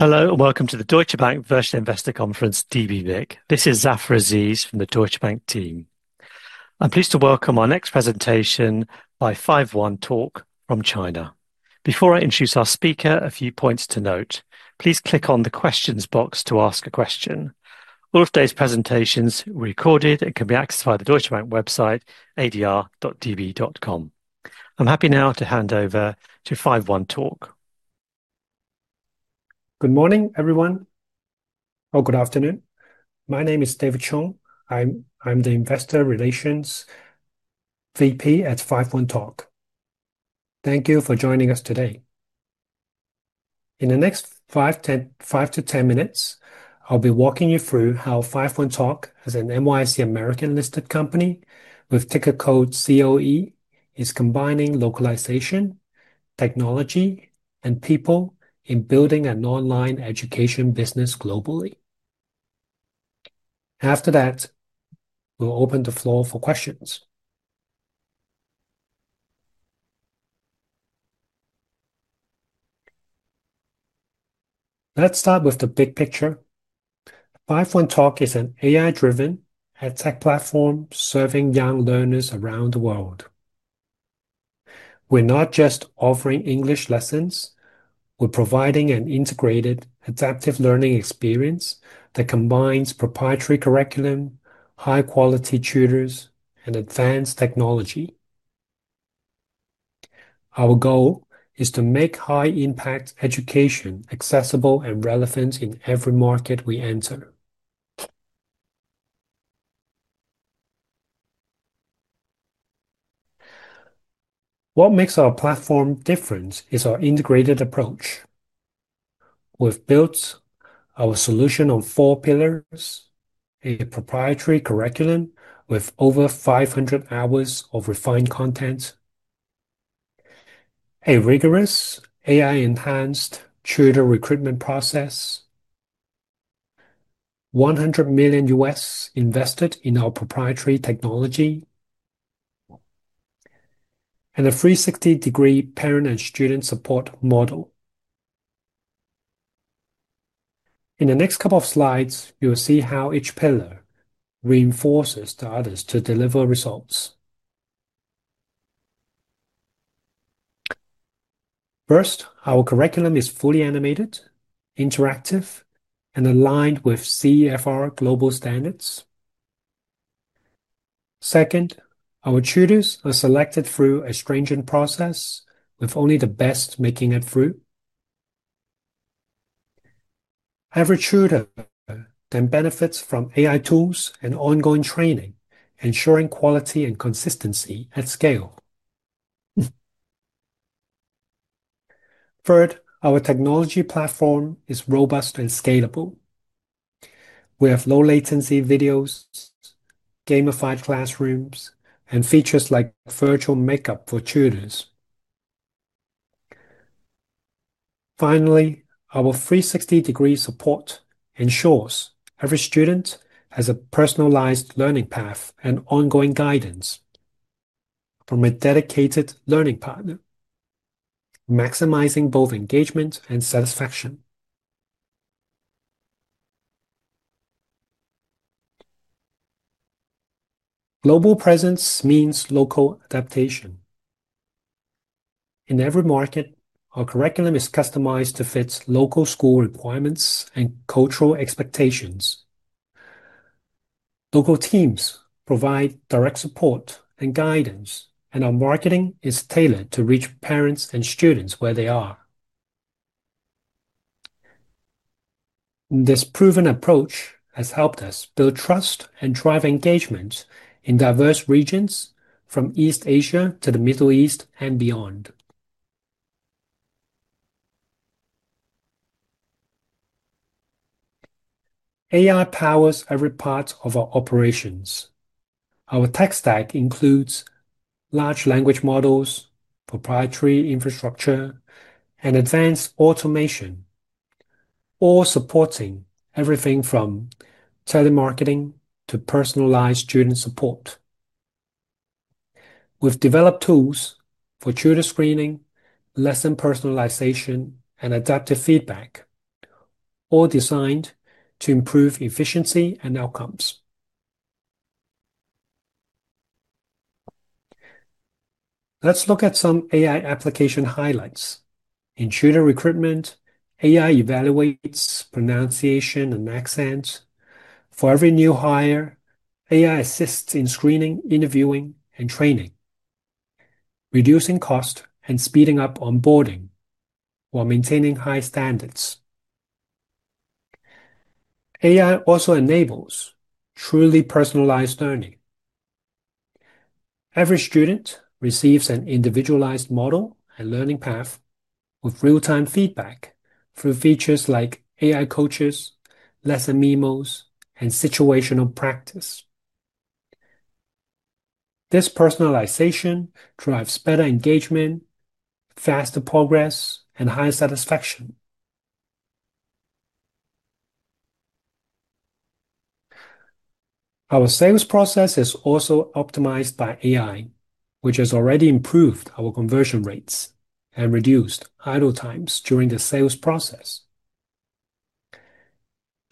Hello and welcome to the Deutsche Bank virtual investor conference, dbVIC. This is Zafar Aziz from the Deutsche Bank team. I'm pleased to welcome our next presentation by 51Talk from China. Before I introduce our speaker, a few points to note. Please click on the questions box to ask a question. All of today's presentations will be recorded and can be accessed via the Deutsche Bank website, adr.db.com. I'm happy now to hand over to 51Talk. Good morning, everyone. Or good afternoon. My name is David Chung. I'm the Investor Relations VP at 51Talk. Thank you for joining us today. In the next 5 to 10 minutes, I'll be walking you through how 51Talk, as an NYSE American-listed company with ticker code COE, is combining localization, technology, and people in building an online education business globally. After that, we'll open the floor for questions. Let's start with the big picture. 51Talk is an AI-driven edtech platform serving young learners around the world. We're not just offering English lessons; we're providing an integrated adaptive learning experience that combines Proprietary Curriculum, high-quality tutors, and advanced technology. Our goal is to make high-impact education accessible and relevant in every market we enter. What makes our platform different is our integrated approach. We've built our solution on four pillars: a Proprietary Curriculum with over 500 hours of refined content. A rigorous AI-enhanced tutor recruitment process. $100 million invested in our Proprietary Technology, and a 360-degree parent and student support model. In the next couple of slides, you'll see how each pillar reinforces the others to deliver results. First, our curriculum is fully animated, interactive, and aligned with CEFR global standards. Second, our tutors are selected through a stringent process, with only the best making it through. Every tutor then benefits from AI tools and ongoing training, ensuring quality and consistency at scale. Third, our technology platform is robust and scalable. We have low-latency videos. Gamified classrooms, and features like virtual makeup for tutors. Finally, our 360-degree support ensures every student has a personalized learning path and ongoing guidance from a dedicated learning partner, maximizing both engagement and satisfaction. Global presence means local adaptation. In every market, our curriculum is customized to fit local school requirements and cultural expectations. Local teams provide direct support and guidance, and our marketing is tailored to reach parents and students where they are. This proven approach has helped us build trust and drive engagement in diverse regions, from East Asia to the Middle East and beyond. AI powers every part of our operations. Our tech stack includes large language models, Proprietary Infrastructure, and advanced automation. All supporting everything from telemarketing to personalized student support. We've developed tools for tutor screening, lesson personalization, and adaptive feedback. All designed to improve efficiency and outcomes. Let's look at some AI application highlights. In tutor recruitment, AI evaluates pronunciation and accent. For every new hire, AI assists in screening, interviewing, and training. Reducing cost and speeding up onboarding while maintaining high standards. AI also enables truly personalized learning. Every student receives an individualized model and learning path with real-time feedback through features like AI coaches, lesson memos, and situational practice. This personalization drives better engagement. Faster progress, and higher satisfaction. Our sales process is also optimized by AI, which has already improved our conversion rates and reduced idle times during the sales process.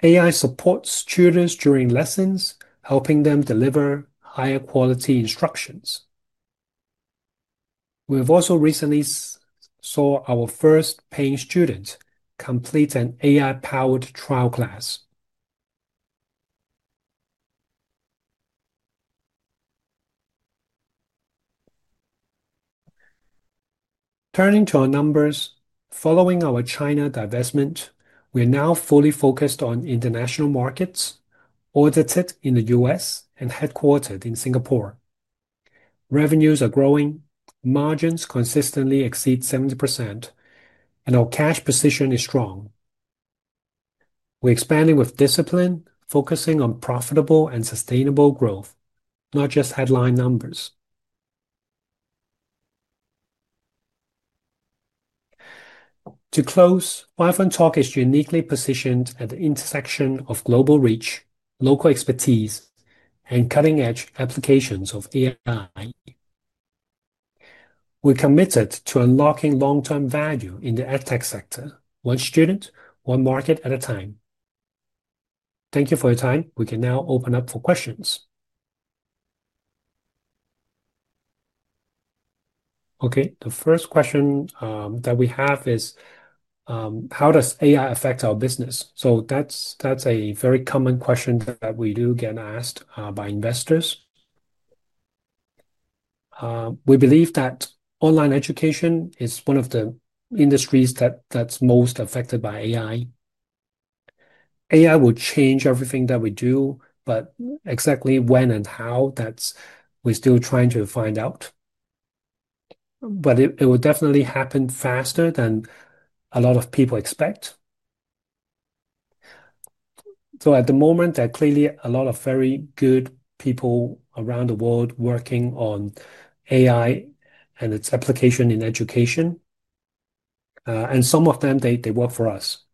AI supports students during lessons, helping them deliver higher quality instructions. We've also recently. Saw our first paying student complete an AI-powered trial class. Turning to our numbers, following our China divestment, we are now fully focused on international markets, audited in the U.S. and headquartered in Singapore. Revenues are growing, margins consistently exceed 70%, and our cash position is strong. We're expanding with discipline, focusing on profitable and sustainable growth, not just headline numbers. To close, 51Talk is uniquely positioned at the intersection of global reach, local expertise, and cutting-edge applications of AI. We're committed to unlocking long-term value in the edtech sector, one student, one market at a time. Thank you for your time. We can now open up for questions. Okay, the first question that we have is, "How does AI affect our business?" So that's a very common question that we do get asked by investors. We believe that online education is one of the industries that's most affected by AI. AI will change everything that we do, but exactly when and how, that's what we're still trying to find out. But it will definitely happen faster than a lot of people expect. So at the moment, there are clearly a lot of very good people around the world working on AI and its application in education. And some of them, they work for us.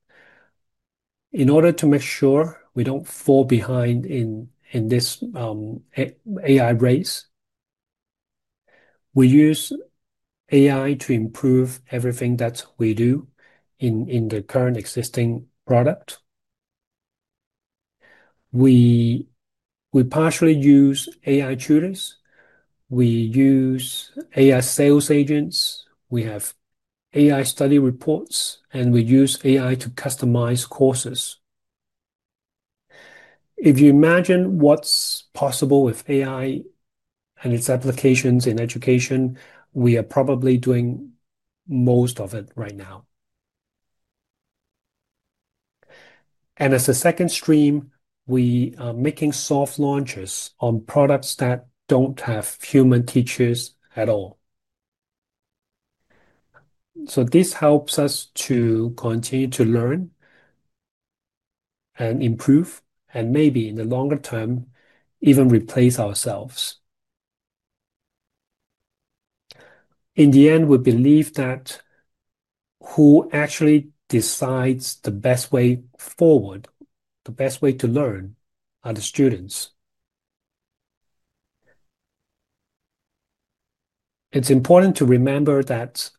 In order to make sure we don't fall behind in this AI race, we use AI to improve everything that we do in the current existing product. We partially use AI tutors. We use AI sales agents. We have AI study reports, and we use AI to customize courses. If you imagine what's possible with AI and its applications in education, we are probably doing most of it right now. And as a second stream, we are making soft launches on products that don't have human teachers at all. So this helps us to continue to learn and improve, and maybe in the longer term, even replace ourselves. In the end, we believe that who actually decides the best way forward, the best way to learn, are the students. It's important to remember that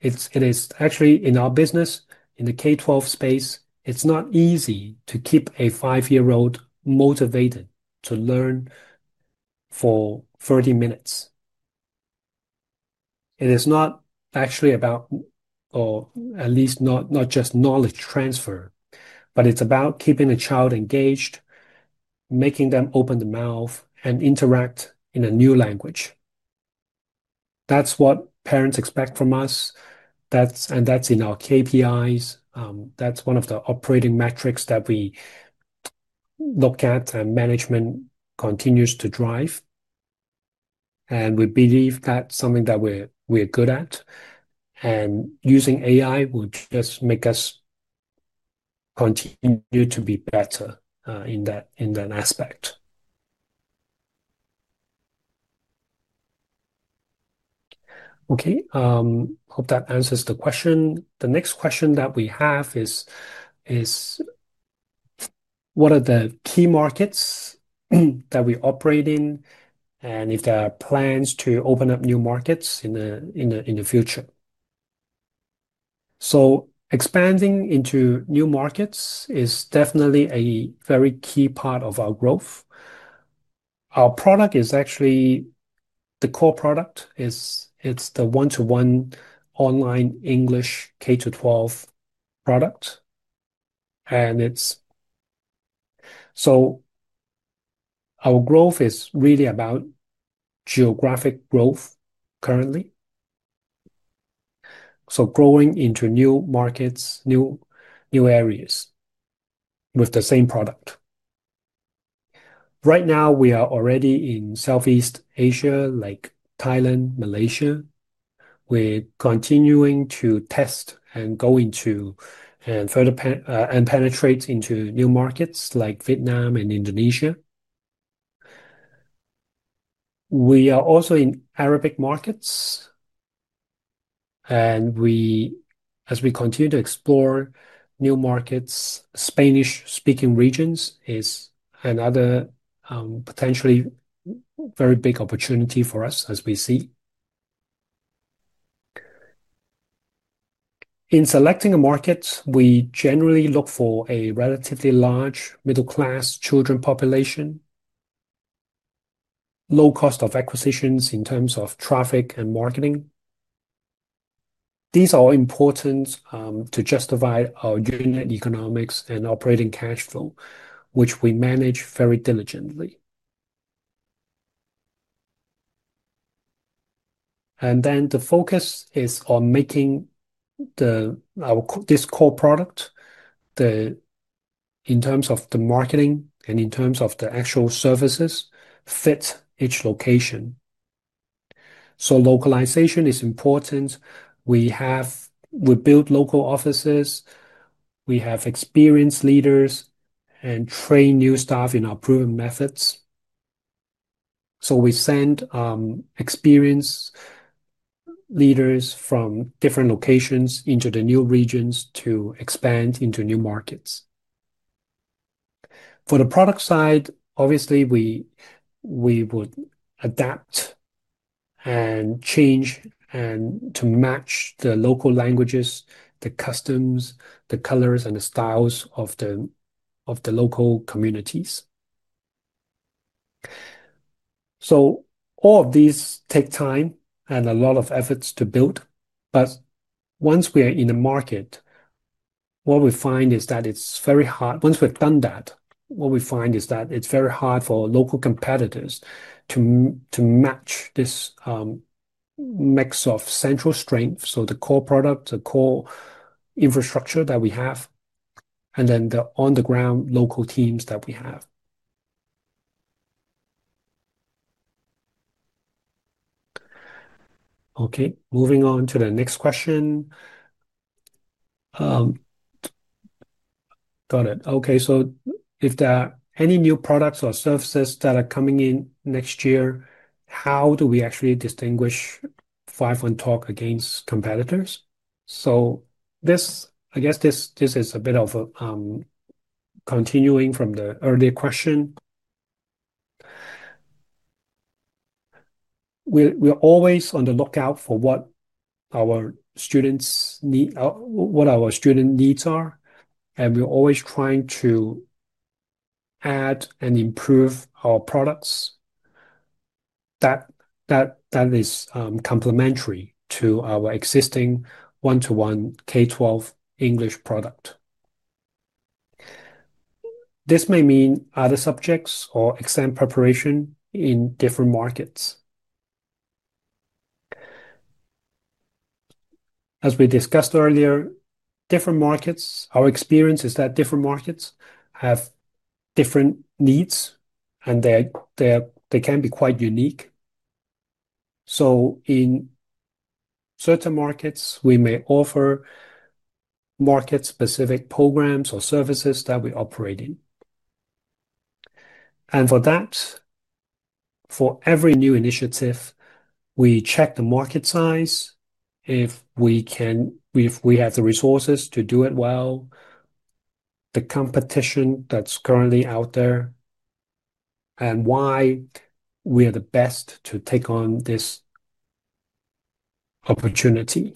it is actually in our business, in the K-12 space, it's not easy to keep a five-year-old motivated to learn for 30 minutes. It is not actually about or at least not just knowledge transfer, but it's about keeping a child engaged, making them open their mouth, and interact in a new language. That's what parents expect from us. And that's in our KPIs. That's one of the operating metrics that we look at, and management continues to drive. And we believe that's something that we're good at. And using AI will just make us continue to be better in that aspect. Okay. Hope that answers the question. The next question that we have is, what are the key markets that we operate in, and if there are plans to open up new markets in the future? So expanding into new markets is definitely a very key part of our growth. Our product is actually the core product. It's the one-to-one online English K-12 product. And it's so. Our growth is really about geographic growth currently. So growing into new markets, new areas with the same product. Right now, we are already in Southeast Asia, like Thailand, Malaysia. We're continuing to test and go into and penetrate into new markets like Vietnam and Indonesia. We are also in Arabic markets. And as we continue to explore new markets, Spanish-speaking regions is another potentially very big opportunity for us, as we see. In selecting a market, we generally look for a relatively large middle-class children population. Low cost of acquisitions in terms of traffic and marketing. These are all important to justify our unit economics and operating cash flow, which we manage very diligently. And then the focus is on making this core product in terms of the marketing and in terms of the actual services fit each location. So localization is important. We build local offices. We have experienced leaders and train new staff in our proven methods. So we send experienced leaders from different locations into the new regions to expand into new markets. For the product side, obviously, we would adapt and change to match the local languages, the customs, the colors, and the styles of the local communities. So all of these take time and a lot of efforts to build. But once we are in the market, what we find is that it's very hard. Once we've done that, what we find is that it's very hard for local competitors to match this mix of central strengths, so the core product, the core infrastructure that we have, and then the on-the-ground local teams that we have. Okay, moving on to the next question. Got it. Okay, so if there are any new products or services that are coming in next year, how do we actually distinguish 51Talk against competitors? So I guess this is a bit of continuing from the earlier question. We're always on the lookout for what our students' needs are, and we're always trying to add and improve our products that is complementary to our existing one-to-one K-12 English product. This may mean other subjects or exam preparation in different markets. As we discussed earlier, different markets, our experience is that different markets have different needs, and they can be quite unique. So in certain markets, we may offer market-specific programs or services that we operate in. And for that, for every new initiative, we check the market size, if we have the resources to do it well. The competition that's currently out there, and why we are the best to take on this opportunity.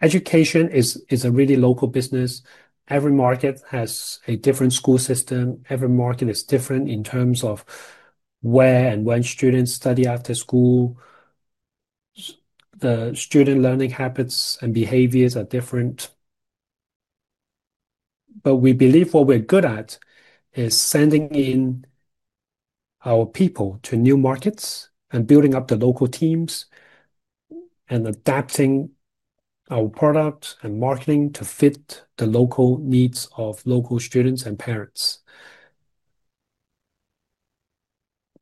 Education is a really local business. Every market has a different school system. Every market is different in terms of where and when students study after school. The student learning habits and behaviors are different. But we believe what we're good at is sending in. Our people to new markets and building up the local teams. And adapting our product and marketing to fit the local needs of local students and parents.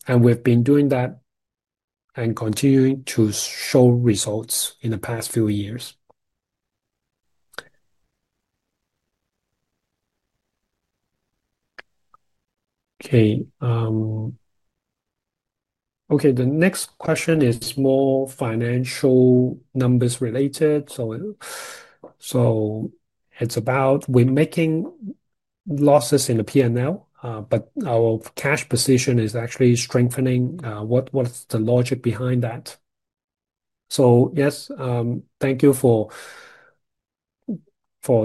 And we've been doing that. And continuing to show results in the past few years. Okay. Okay, the next question is more financial numbers-related. So it's about we're making losses in the P&L, but our cash position is actually strengthening. What's the logic behind that? So yes, thank you for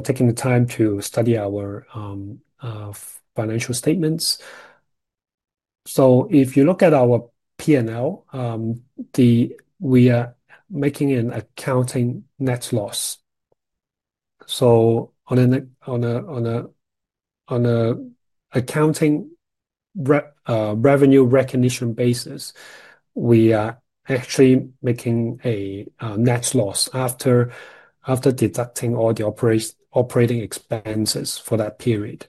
taking the time to study our financial statements. So if you look at our P&L, we are making an accounting net loss. So on a accounting revenue recognition basis, we are actually making a net loss after deducting all the operating expenses for that period.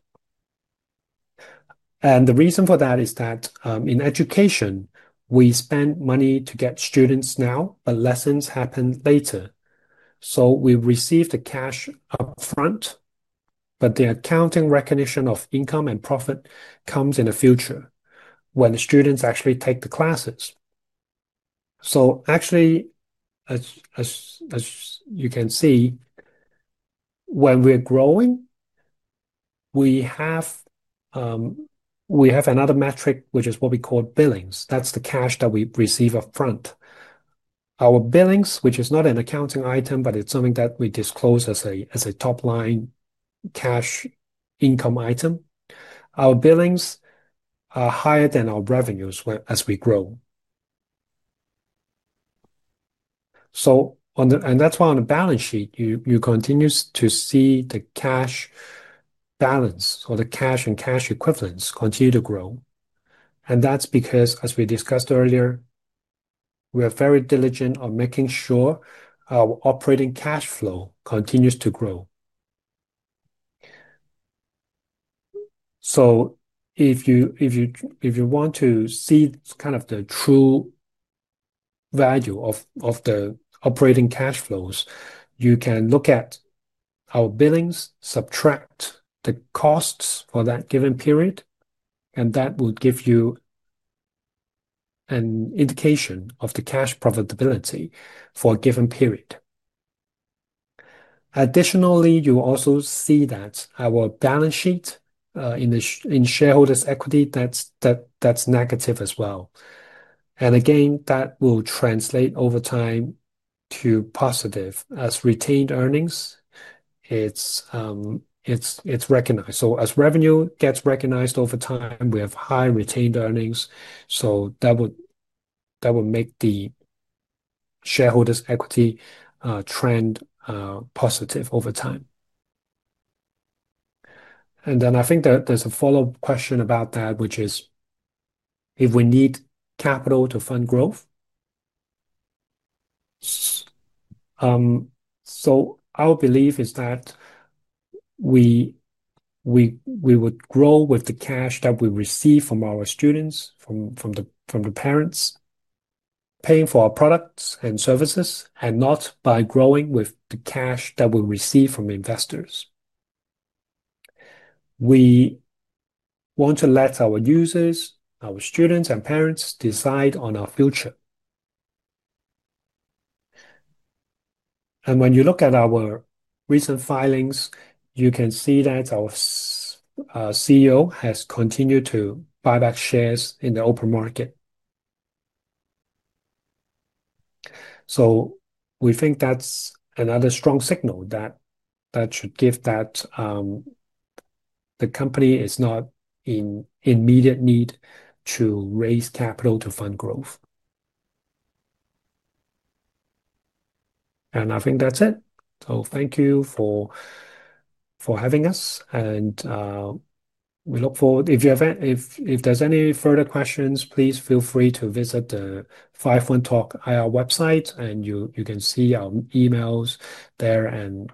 And the reason for that is that in education, we spend money to get students now, but lessons happen later. So we receive the cash upfront. But the accounting recognition of income and profit comes in the future when the students actually take the classes. So actually, as you can see, when we're growing, we have another metric, which is what we call billings. That's the cash that we receive upfront. Our billings, which is not an accounting item, but it's something that we disclose as a top-line cash income item. Our billings are higher than our revenues as we grow. And that's why on the balance sheet, you continue to see the cash balance or the cash and cash equivalents continue to grow. And that's because, as we discussed earlier, we are very diligent in making sure our operating cash flow continues to grow. So if you want to see kind of the true value of the operating cash flows, you can look at our billings, subtract the costs for that given period. And that will give you an indication of the cash profitability for a given period. Additionally, you will also see that our balance sheet in shareholders' equity, that's negative as well. And again, that will translate over time to positive as retained earnings, it's recognized. So as revenue gets recognized over time, we have high retained earnings. So that would make the shareholders' equity trend positive over time. And then I think there's a follow-up question about that, which is if we need capital to fund growth. So our belief is that we would grow with the cash that we receive from our students, from the parents paying for our products and services, and not by growing with the cash that we receive from investors. We want to let our users, our students, and parents decide on our future. And when you look at our recent filings, you can see that our CEO has continued to buyback shares in the open market. So we think that's another strong signal that should give that the company is not in immediate need to raise capital to fund growth. And I think that's it. So thank you for having us. And we look forward. If there's any further questions, please feel free to visit the 51Talk IR website, and you can see our emails there, and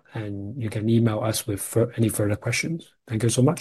you can email us with any further questions. Thank you so much.